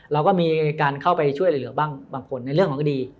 เราก็มีการเข้าไปช่วยเหลือบ้างบางคนในเรื่องของคดี